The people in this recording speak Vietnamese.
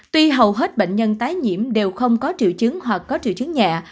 tuy hầu hết bệnh nhân tái nhiễm đều không có triệu chứng hoặc có triệu chứng nhẹ